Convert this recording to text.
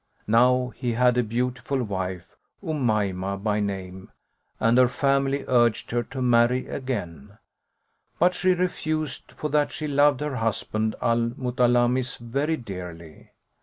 Now he had a beautiful wife, Umaymah by name, and her family urged her to marry again; but she refused, for that she loved her husband Al Mutalammis very dearly.